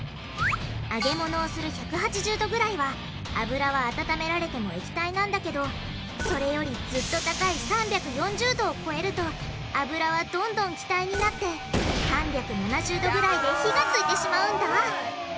揚げ物をする１８０℃ぐらいは油は温められても液体なんだけどそれよりずっと高い３４０℃を超えると油はどんどん気体になって３７０℃ぐらいで火がついてしまうんだ！